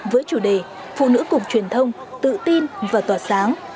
với chủ đề phụ nữ cục truyền thông tự tin và tỏa sáng